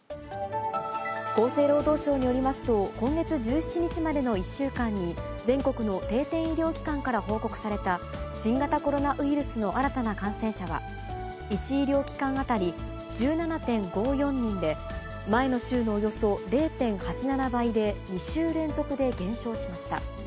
厚生労働省によりますと、今月１７日までの１週間に、全国の定点医療機関から報告された新型コロナウイルスの新たな感染者は、１医療機関当たり１７．５４人で、前の週のおよそ０．８７倍で、２週連続で減少しました。